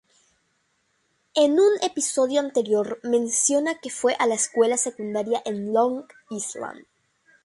En un episodio anterior, menciona que fue a la escuela secundaria en Long Island.